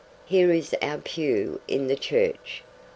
Here is our pew in the church.